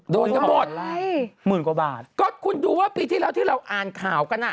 โดนกันหมดหมื่นกว่าบาทก็คุณดูว่าปีที่แล้วที่เราอ่านข่าวกันอ่ะ